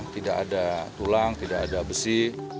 tidak ada tulang tidak ada besi